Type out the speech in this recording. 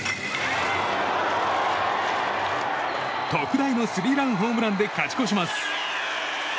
特大のスリーランホームランで勝ち越します。